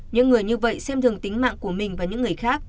những người như vậy xem thường tính mạng của mình và những người khác